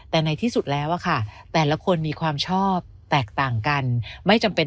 แต่ในที่สุดแล้วอะค่ะแต่ละคนมีความชอบแตกต่างกันไม่จำเป็น